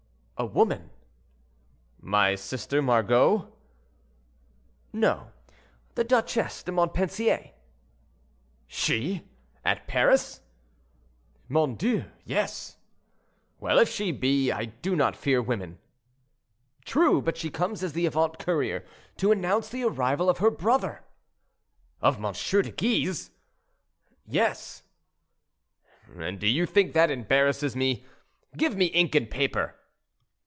"A woman." "My sister Margot?" "No; the Duchesse de Montpensier." "She! at Paris?" "Mon Dieu! yes." "Well, if she be; I do not fear women." "True; but she comes as the avant courier to announce the arrival of her brother." "Of M. de Guise?" "Yes." "And do you think that embarrasses me? Give me ink and paper."